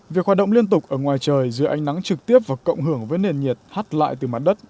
việc hoạt động liên tục ở ngoài trời giữa ánh nắng trực tiếp và cộng hưởng với nền nhiệt hắt lại từ mặt đất